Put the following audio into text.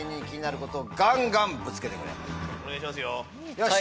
よし！